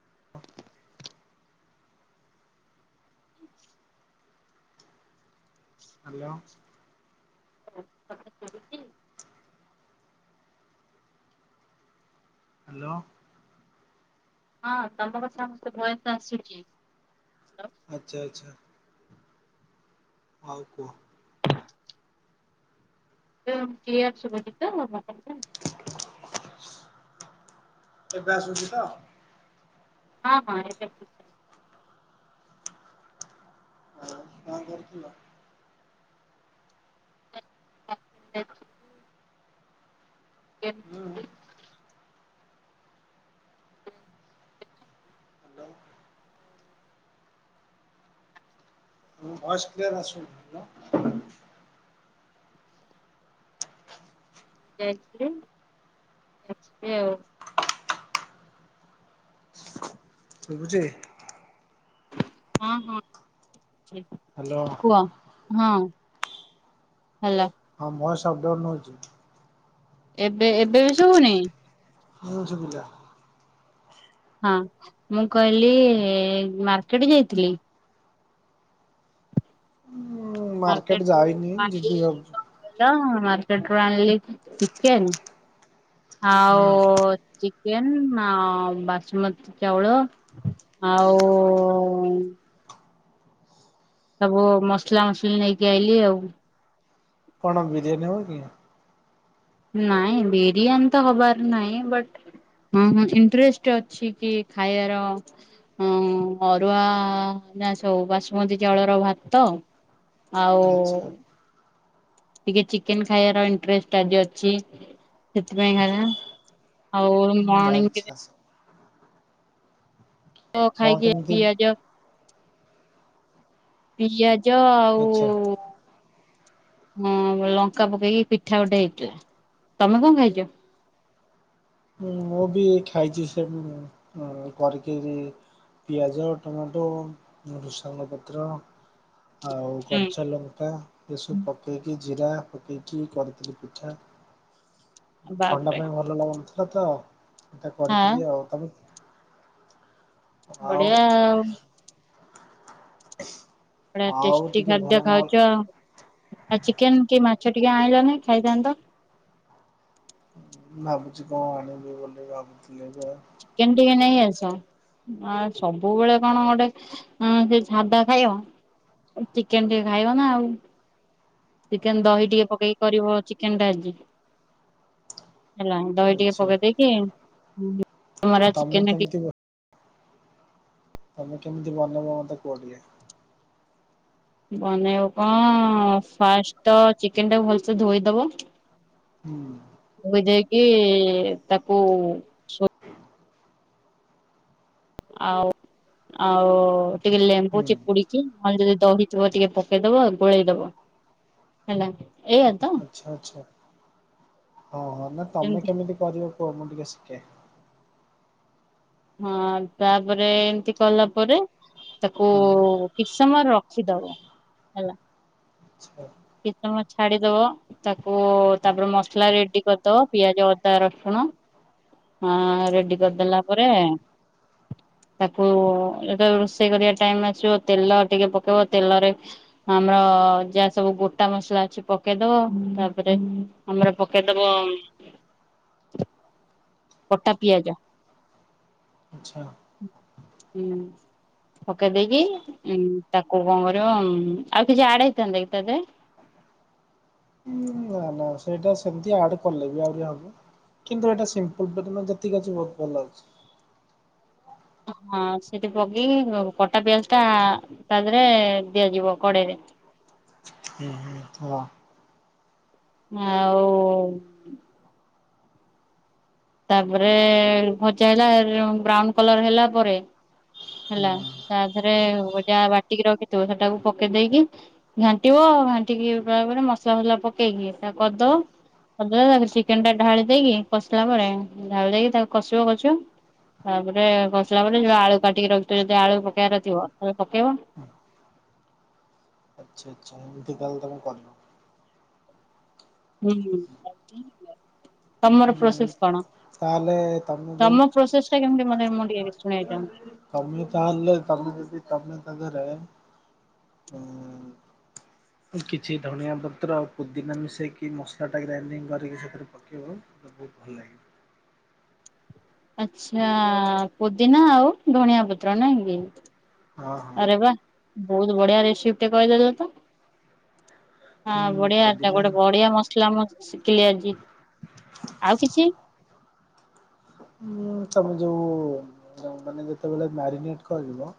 [inaudible] ହୁଁ ହାଲୋ। [inaudible] ପଢୁଚି। ହ୍ୟାଲୋ। ହଁ ତୋମ କଥା ମୋତେ ଭଏସ୍ ଆସୁଛି। ଆଚ୍ଛା, ଆଚ୍ଛା। ଆଉ କୁହ। ତ କ୍ଲିୟର ଶୁଭୁଚି ତ ମୋ କଥା? ଏବେ ଆସୁଛି ତ? ହଁ, ହଁ ଏବେ [inaudible] କଣ କରଥୁଲ? [inaudible] କେ [inaudible] ହୁଁ [inaudible] ହ୍ୟାଲୋ। ତୋମ ଭଏସ୍ କ୍ଲିୟର ଆସୁନି। [inaudible] ଯାଇଥିଲି [inaudible] ଆଉ। ଶଭୁଚି? ହଁ, ହଁ [inaudible] ହାଲୋ। କୁଅ ହଁ ହେଲୋ। ହଁ ମଏସ୍ ଅବଡାଉନ ହଉଚୁ। ଏବେ ଏବେ ବି ଶୁଭୁନି। ହଁ ଶୁଭିଲା। ହଁ ମୁଁ କହିଲି ମାର୍କେଟ୍ ଯାଇଥିଲି। ଉଁ, ମାର୍କେଟ୍ ଯାଇନି ଯିବି ଭାବୁଚୁ। ଚ-ମାର୍କେଟ୍ ରୁ ଆଣିଲି ଚିକେନ୍। ହୁଁ ଆଉ ଚି କେନ୍ ଆ, ବାସୁମତୀ ଚାଉଳ ଆଉ ସବୁ ମସଲା ମସଲି ନେଇକି ଆଇଲିି ଆଉ। କଣ ବିରିୟାନୀ ହବ କି? ନାଇଁ ବିରିୟାନୀ ତ ହବାର ନାଇଁ। ବାଟ୍ ହଁ, ହଁ ଇଣ୍ଟରେଷ୍ଟ ଅଛି କି ଖାଇବାର। ହଁ ଅରୁଆ ନା ସବୁ ବାସୁମତୀ ଚାଉଳର ଭାତ ଆଉ ଆଚ୍ଛା ଟିକେ ଚିକେନ୍ ଖାଇବାର ଇଣ୍ଟରେଷ୍ଟ ଟା ଆଜି ଅଛି ସେଥିପାଇଁ ହେଲା। ଆଉ ରୁମ [inaudible] ତ କଣ ଖାଇକି ଏ କେମିତି ପିଆଜ ପିଆଜ ଆଚ୍ଛା ଆଉ ହଁ ଲଙ୍କା ପକେଇକି ପିଠା ଗୋଟେ ହେଇଥିଲା। ତୋମେ କଣ ଖାଇଚ? ମୁଁ ବି ଖାଇଚି ସେନ ଅ, କରିକିରି ପିଆଜ, ଟମାଟୋ, ଭୃସଙ୍ଗ ପତ୍ର ଆଉ କଞ୍ଚାଲଙ୍କା ଏ ସବୁ ପକେଇକି ଜିରା ପକେଇକି କରିଥିଲି ପିଠା। ଥଣ୍ଡା ବାପରେ ପାଇଁ ଭଲ ଲାଗୁନଥିଲା ତ ଏଟା ହଁ କରିଥିଲି ଆଉ। ତୋମ ବଢିଆ ଆଉ। ବଢିଆ ଆଉ ଟେଷ୍ଟି ଟିକେ ଭଲ ଖାଦ୍ୟ ନହେଲେ ଖାଉଚ। ଆ, ଚିକେନ୍ କି ମାଛ ଟିକେ ଆଣିଲ ନାହିଁ ଖାଇଥାନ୍ତ। ଭାବୁଛି କଣ ଆଣିବି ବୋଲି ଭାବୁଥିଲି ଯେ ଚିକେନ୍ ଟିକେ ନେଇ ଆସ। ଆ, ସବୁବେଳେ କଣ ଗୋଟେ ଅଁ, ସେ ସାଧା ଖାଇବ। ଅ, ଚିକେନ୍ ଟିକେ ଖାଇବ ନା ଆଉ। ଚିକେନ ଦହି ଟିକେ ପକେଇକି କରିବ ଚିକେନ ଟା ଆଜି। ହେଲା ଦହି ଟିକେ ଆଚ୍ଛା ପକେଇ ଦେଇକି ମରା ଚିକେନ ତମେ କେମିତି ବ ତମେ କେମିତି ବନେଇବ ମୋତେ କୁହ ଟିକେ? ବନେଇବ କଣ ଫାଷ୍ଟ ତ ଚିକେନ ଟାକୁ ଭଲସେ ଧୋଇଦବ ହୁଁ। ଧୋଇଦେଇକି ତାକୁ ଆଉ ଆଉ ଟିକେ ଲେମ୍ବୁ ହୁଁ ଚିପୁଡିକି ନହେଲେ ଯଦି ଦହିଥିବ ଟିକେ ପକେଇଦବା ଆଉ ଗୋଳେଇ ଦବ। ହେଲା ଏଇଆ। ତ ଆଚ୍ଛା ଆଚ୍ଛା ହଁ ହଁ ନା ଯେମିତି ତମେ କେମିତି କରିବ କୁହ ମୁଁ ଟିକେ ଶିଖେ। ହଁ ତାପରେ ଏମିତି କଲା ପରେ ତାକୁ ହୁଁ କିଛି ସମୟରେ ରଖିଦବ ହେଲା। ଆଛା। କିଛି ସମୟ ଛାଡିଦବ ତାକୁ ତାପରେ ମସଲା ରେଡି କରିଦବ ପିଆଜ ଅଦା ରସୁଣ ହଁ ରେଡି କରିଦେଲା ପରେ ତାକୁ ଯେତେବେଳେ ରୋଷେଇ କରିବା ଟାଇମ ଆସିବ ତେଲ ଟିକେ ପକେଇବ ତେଲରେ ଆମର ଯାହା ସବୁ, ଗୋଟା ମସଲା ଅଛି ପକେଇଦବ ତାପରେ ଆମର ପକେଇଦବ କଟା ପିଆଜ। ଆଚଛା। ହୁଁ। ପକେଇ ଦେଇକି ଉ ତାକୁ କଣ କରିବ ଆଉ କିଛି ଆଡ ହେଇଥାନ୍ତା କି ଦେହରେ? ନା ନା ସେଇଟା ସେମତି ଆଡ କଲେ ବି ଆହୁରି ହବ। କିନ୍ତୁ ଏଟା ସିମ୍ପଲେ ଯେତିକି ଅଛି ବହୁତ ଭଲ ଲାଗୁଛି। ହଁ ସେଠି ପକେଇକି କଟା ପିଆଜ ଟା ତା ଦେହରେ ଦିଆଯିବ କଡେଇରେ। ହୁଁ ହୁଁ ହ। ଆଉ ତାପରେ ଭଜା ହେଲା ବ୍ରାଉନ କଲର ହେଲା ପରେ ହୁଁ ହେଲା ତାଥରେ ଗଟା ବାଟିକି ରଖିଥିବ ସେଟାକୁ ପକେଇ ଦେଇକି ଘାଣ୍ଟିବ ଘାଣ୍ଟିକି ପା ପରେ ମସଲା ପକେଇକି ତା କରିଦବ। ଅ ତାକୁ ଚିକେନ ଟା ଢାଳି ଦେଇକି କଷିଲା ପରେ ଢାଳି ଦେଇକି ତାକୁ କଷିବ କଷିବ। ତାପରେ କଷିଲା ପରେ ଯୋଉ ଆଳୁ କାଟିକି ରଖିଥିବ ଯଦି ଆଳୁ ପକେଇବାର ଥିବ ତାହଲେ ପକେଇବ। ଆଛା ଆଚ୍ଛା ଏମିକାଲେ ତମେ କରଲ। ହୁଁ ତମର ପ୍ରୋସେସ୍ କଣ? ହୁଁ ତାହେଲେ ତମେ ଯୋଉ ତମ ପ୍ରୋସେସ ଟା କେମିତି ମାନେ ମୁ‌ଟିକିଏ ଶୁଣ ବା ପାଇଁ ଚାହୁଁଚି। କମି ତା ଅଲେ କମି ଯଦି କମି ତଙ୍କାରେ ହଁ କିଛି ଧଣିଆ ପତ୍ର ପୁଦିନା ମିଶେଇକି ମସଲା ଟା ଗ୍ରାଇଡିଙ୍ଗ କରିକି ସେଥିରେ ପକେଇବ ମତେ ବହୁତ ଭଲ ଲାଗେ। ଆଚ୍ଛା ପୁଦିନା ଆଉ ଧଣିଆ ପତ୍ର ନାଇଁ କି। ହଁ ହଁ ଅରେ ବା ବହୁତ ବଢିଆ ରେଶିପିଟେ କହିଦେଲେ ତ। ହଁ ହୁଁ ବଢିଆ ପୁଦିନା ଗୋଟେ ବଢିଆ ମସଲା ମୁଁ ଶିଖିଲି ଆଜି ଆଉ କିଛି ତମେ ଯୋଉ ମାନେ ଯେତେବେଳେ ମ୍ୟାରିନେଟ କରିବ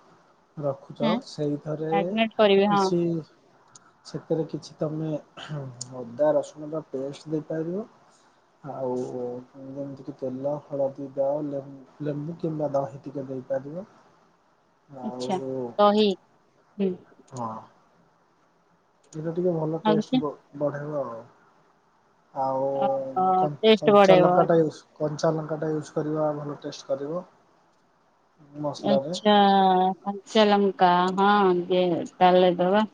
ରଖୁଛ ହଁ ସେଇଥିରେ ମ୍ୟାଗନେଟ କରିବି ହଁ କିଛି ସେଥିରେ କିଛି ତମେ ଅଦା ରସୁଣ ବା ପେଷ୍ଟ ଦେଇପାରିବ। ଆଉ ଯେମିତିକ ତେଲ ହଳଦୀ ଦ ଲେମ୍ବୁ କିମ୍ବା ଦହି ଟିକେ ଦେଇପାରିବ। ଆଉ ଆଚ୍ଛା ଦହି ହୁଁ ହଁ। ଏଟା ଟିକେ ଭଲ ଆଉ ଟେଷ୍ଟ କିଛି ବ ବଢେଇବା ଆଉ। ଆଉ ଓହୋ କ ଟେଷ୍ଟ କଞ୍ଚ ବଢେଇବ। ଲଙ୍କାଟା ଯଉ କଞ୍ଚା ଲଙ୍କାଟା ୟୁଜ୍ କରିବା ଭଲ ଟେଷ୍ଟ କରିବ। ମସଲାରେ ଆଚ୍ଛା କଞ୍ଚଲଙ୍କା ହଁ ଯେ ତାହଲେ ଦେବା।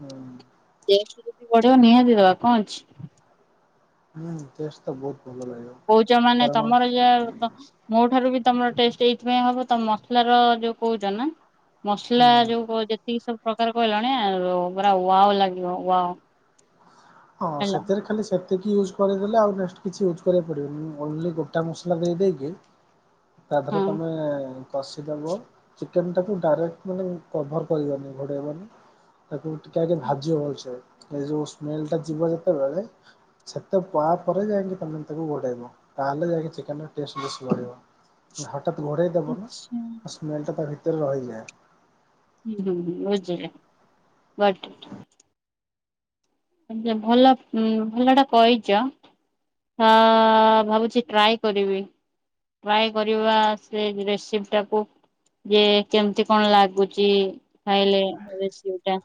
ହୁଁ। ଟେଷ୍ଟ ଯଦି ବଢିବ ନିହାତି ଦବା କଣ ଅଛି। ହୁଁ ଟେସ୍ ତ ବୋହୁତ ଭଲ ଲାଗିବ। କୋଉଚ ମାନେ କାରଣ ତମର ଯା ମୋ ଠାରୁ ବି ତମର ଟେଷ୍ଟ ଏଇଥିପାଇଁ ହବ ତ ମସଲାର ଯୋଉ କହୁଛ ନା ମସଲା ହୁଁ ଯୋଉ ଯେତିକି ସବୁ ପ୍ରକାର କହିଲାଣି ପା ୱାଓ ଲାଗିବ ୱାଓ। ହଁ ହେଲା ସେଥିରେ କିଛି ସେ ସେତିକି ୟୁଜ୍ କରିଦେଲେ ଆଉ ନେକ୍ସଟ କିଛି ୟୁଜ୍ କରିବାକୁ ପଡ଼ିବନ ମୁଁ ଓନ୍ଲି ଗୋଟା ମସଲା ଦେଇେକି। ତାପରେ ହଁ। ତମେ କଷିଦେବ ଚିକେନ ଟାକୁ ଡାଇରେକ୍ଟ ମାନେ କଭର କରିବନି ଘୋଡ଼େଇବନି। ତାପରେ ଟିକେ ଆଗେ ଭାଜିବ ଭଳସେ ଏ ଯୋଉ ସ୍ମଲ ଟା ଯିବ ଭଲସେ ଯେତେବେଳେ ସେତେ ତା ପରେ ଯାଇକି ତମେ ତାକୁ ଘୋଡେଇବ। ତାହେଲେ ଯାଇକି ଚିକେନ ଟଷ୍ଟ ବେଶ ବଢିବ। ହଠାତ ଘୋଡେଇ ଦବ ନା ଆଛା ସ୍ମେଲ ଟା ତା ଭିତରେ ରହିଯାଏ। ହିଁ ବୁଝିଲି ଭଲ ଉ ଭଲ ଟା କହିଚ। ହଁ ଭାବୁଚି ଟ୍ରାଏ କରିବି। ଟ୍ରାଏ କରିବା ସେ ରେସିପ ଟାକୁ। ଯେ କେମିତି କଣ ଲାଗୁଚି। ଖାଇଲେ ରେସିପି ଟା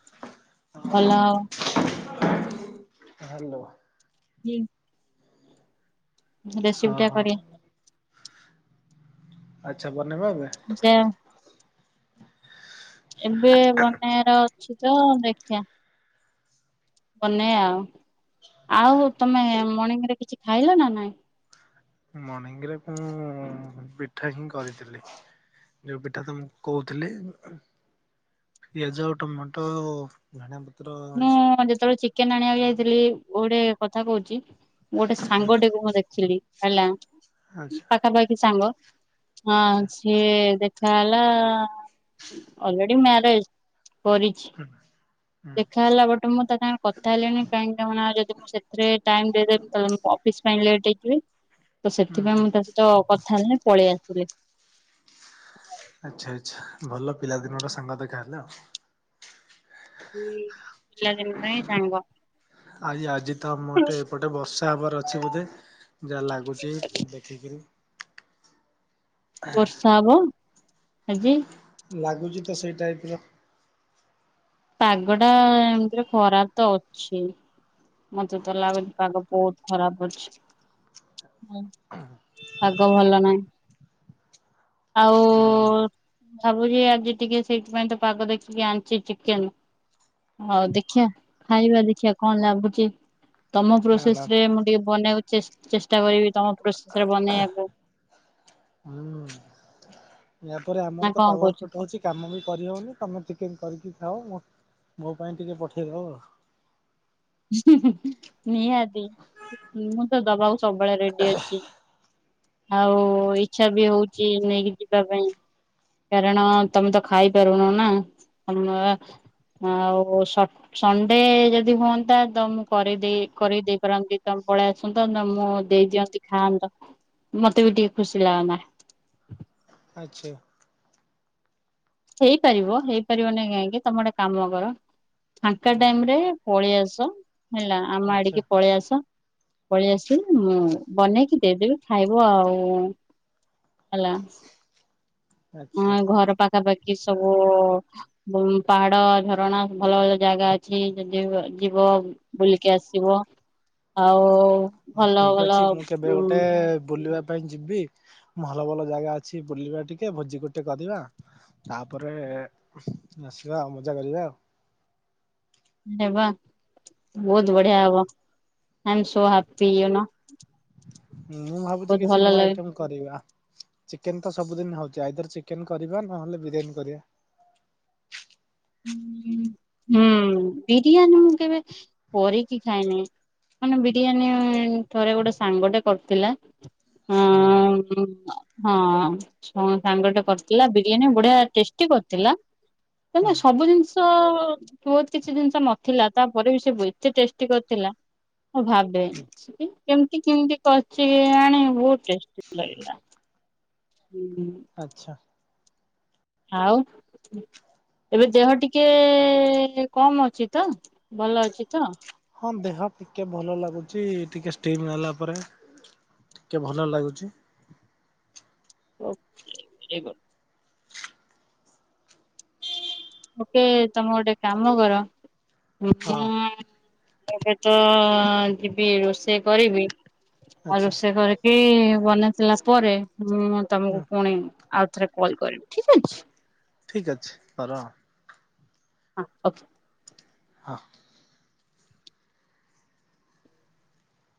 ଭଲ ଆଉ। ଧନ୍ୟବାଦ। ହୁଁ। ହଁ ରେସିପି ଟା ହଁ କରିବା ଆଚ୍ଛା ବନେଇବା ଏବେ ଯା ଏବେ ବନେଇବାର ଅଛି ତ ଦେଖିଆ। ବନେଇ ଆଉ ଆଉ ତମେ ମର୍ଣିଂରେ କିଛି ଖାଇଲ ନା ନାଇଁ? ମଣିଂଙ୍ଗ ରେ ତ ମୁଁ ପିଠା ହିଁ କରିଥିଲି। ଯୋଉ ପିଠା ତମକୁ କହୁଥିଲି ପିଆଜ ଆଉ ଟମାଟୋ ଧଣିଆ ପତ୍ର ମୁଁ ଏସବୁ ଯେତେବେଳେ ଚିକେନ ଆଣିବାକୁ ଯାଇଥିଲି ଗୋଟେ କଥା କୋହୁଚି ଗୋଟେ ସାଙ୍ଗଟିକୁ ମୁଁ ଦେଖିଲି ହେଲା ଆଚ୍ଛା ପାଖାପାଖି ସାଙ୍ଗ ହଁ ଆଚ୍ଛା ସିଏ ଦେଖା ହେଲା ଅଲରେଡ଼ି ମ୍ୟାରେଜ୍ କରିଛି [unintelligible] ଦେଖା ହେଲା ବଟେ ମୁଁ ତୋ କାଇଁ କ ତା ହେଲେଣି କାଇଁ ତମ ନାଁରେ ଯଦି ମୁଁ ସେଥିରେ ଟାଇମ୍ ଦେଇଦେମି ତମେ ଅଫିସ୍ ପାଇଁ ଲେଟ୍ ହେଇଯିବି। ତ ହୁଁ ସେଥିପାଇଁ ହୁଁ ମୁଁ ତା ସହିତ କଥା ହେଲିନି ପଳେଇ ଆସିଥିଲି। ଆଚ୍ଛା ଆଚ୍ଛା ଭଲ ପିଲା ଦିନର ସାଙ୍ଗ ଦେଖାହେଲେ। ହୁଁ ପିଲା ଦିନରୁ ହିଁ ସାଙ୍ଗ। ଆ ଆଜି ତ ଆମରଟେ ଏପଟେ ବର୍ଷା ହେବାର ଅଛି ବୋଧେ। ଯାହା ଲାଗୁଚି ଦେଖିକିରି। ବର୍ଷା ହବ ଆଜି। ଲାଗୁଚି ତ ସେଇ ଟାଇପ୍ ର। ପାଗ ଟା ଏମିତିରେ ଖରାପ୍ ତ ଅଛି। ମତେ ତ ଲାଗୁଚି ପାଟା ଗ ବୋହୁତ୍ ଖରାପ୍ ଅଛି ହୁଁ ଶାଗ ଭଲ ହୁଁ ଭାବୁଚି ଆଜି ଟିକେ ସେଇଥିପାଇଁ ତ ପାଗ ଦେଖିକି ଆଣିଚି ଚିକେନ। ହୋଉ ଦେଖିଆ ଖାଇବା ଦେଖିଆ କଣ ଲାଗୁଚି। ତମ ନା ନା ପ୍ରୋସେଶରେ ମୁଁ ଟିକେ ବନେଇବାକୁ ଚେସ୍-ଚେଷ୍ଟା କରିବି ତମ ପ୍ରୋସେଶରେ ବନେଇବାକୁ। ହୁଁ ୟାପରେ ନା ଆମର ତ କଣ ପାୱାର୍ କହୁଛ? କଟ୍ ହୋଉଚି। କାମ ବି କରିହୋଉନି ତମେ ଚିକେନ କରିକି ଖାଅ ମୁଁ ମୋ ପାଇଁ ଟିକେ ପଠେଇଦବ। ଉଁ ହୁଁ ହୁଁ ନିହାତି ମୁଁ ତ ଦବାକୁ ସବୁବେଳେ ରେଡ଼ି ଅଛି। ଆଉ ଇଚ୍ଛା ବି ହୋଉଚି ନେଇକି ଯିବା ପାଇଁ। କାରଣ ତମେ ତ ଖାଇପାରୁନ ନା ଆମର ଆଉ ସଟ୍ ସଣ୍ଡେ ଯଦି ହୁଅନ୍ତା ତ ମୁଁ କରିକି ଦେଇ କରିକି ଦେଇପାରନ୍ତି ତମେ ପଳେଆସ୍ ସନ୍ତ ତ ମୁଁ ଦେଇ ଦିଅନ୍ତି ଖାଆନ୍ତ ମତେ ବି ଟିକେ ଖୁସିଲାଗନ୍ତା। ଆଚ୍ଛା। ହେଇପାରିବ ହେଇପାରିବନାଇଁ କାହିଁକି ତମେ ଗୋଟେ କାମକର ଫାଙ୍କା ଟାଇମରେ ପଳେଆସ ହେଲା ଆମ ଆଚ୍ଛା ଆଡ଼ିକି ପଳିଆସ। ପଳେଇଆସିବେ ମୁଁ ବନେଇକି ଦେଇଦେବି ଖାଇବ ଆଉ ହେଲା। ଆଚ୍ଛା ହଁ ଏ ଘର ପାଖାପାଖି ସବୁ ବୋହୁ ପାହାଡ଼, ଝରଣା ଭଲଭଲ ଜାଗା ଅଛି ଯଦି ହୁଏ ଯିବ। ବୁଲିକି ଆସିବ ଆଉ ହ ଭଲ ଭଲ ଠିକଅଛି ମୁଁ କେବେ ଉ ଗୋଟେ ବୁଲିବା ପାଇଁ ଯିବି। ଭଲଭଲ ଜାଗା ଅଛି ବୁଲିବା ଟିକେ ଭୋଜି ଗୋଟେ କରିବା। ତାପରେ ଉଃ ଆସିବା ଆଉ ମଜା କରିବା। ଆରେ ବା ବୋହୁତ୍ ବଢ଼ିଆ ହବ ଆମ୍ ସୋ ହାପି ୟୁ ନୋ। ମୁଁ ଭାବୁଛି ବହୁତ କିଛି ଭଲ ନୁଆ ଲାଗେ ଆଇଟମ୍ କରିବା ଚିକେନ ତ ସବୁଦିନ ହୋଉଚି ଆଇଦର ଚିକେନ କରିବା ନହେଲେ ବିରିଆନୀ କରିବା। ଉଁ ହୁଁ ବିରିୟାନୀ ମୁଁ କେବେ କରିକି ଖାଇନି। ମାନେ ବିରିୟାନୀ ଥରେ ଗୋଟେ ସାଙ୍ଗଟେ କରିଥିଲା ହଁ ଆଁ ଉଁ ହଁ ସେ ଆମ ସାଙ୍ଗଟେ କରିଥିଲା ବିରିୟାନୀ ବଢିଆ ଟେଷ୍ଟି କରିଥିଲା। ନାଇଁ ହୁଁ ନାଇଁ ସବୁ ଜିନିଷ ବୋହୁତ୍ କିଛି ଜିନିଷ ନଥିଲା ତାପରେ ବି ସିଏ ବ ଏତେ ଟେଷ୍ଟି କରିଥିଲା। ହଁ ଭାବେ ସେ କେମ୍ କେମତି କେମତି କରିଚି କେଜାଣି ବୋହୁତ୍ ଟେଷ୍ଟି ଲାଗିଲା। ହୁଁ। ଆଚ୍ଛା। ଆଉ ଏବେ ଦେହ ଟିକେ କମ୍ ଅଛି ତ ଭଲ ଅଛି ତ। ହଁ ଦେହ ଟିକେ ଭଲ ଲାଗୁଛି ଟିକେ ଷ୍ଟିମ୍ ହେଲା ପରେ। ଟିକେ ଭଲ ଲାଗୁଛି। [unintelligible] ଓକେ ତମେ ଗୋଟେ କାମ କର। ହଁ [unintelligible] ଏବେ ତ ଯିବି ରୋଷେଇ କରିବି ଆଉ ଆଚ୍ଛା ରୋଷେଇ କରି ଏ ବନେଇ ସାରିଲା ପରେ ମୁଁ ତମକୁ ହୁଁ ପୁଣି ଆଉ ଥରେ କଲ୍ କରିବି ଠିକ୍ ଅଛି। ଠିକ୍ ଅଛି ରହ। ହଁ ଓକେ। ହଁ।